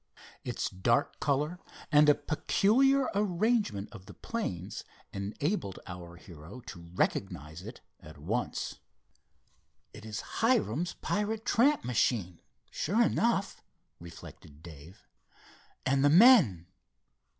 Its dark color and a peculiar arrangement of the planes enabled our hero to recognize it at once. "It is Hiram's pirate tramp machine, sure enough," reflected Dave, "and the men."